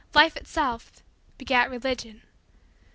Life itself begat Religion.